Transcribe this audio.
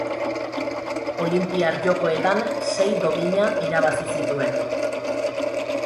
Olinpiar Jokoetan sei domina irabazi zituen.